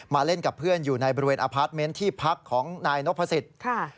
เล่นกับเพื่อนอยู่ในบริเวณอพาร์ทเมนต์ที่พักของนายนพสิทธิ์